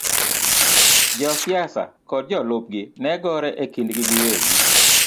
Josiasa kod jolupgi ne gore e kindgi giwegi,